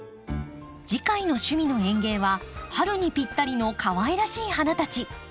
次回の「趣味の園芸」は春にぴったりのかわいらしい花たち。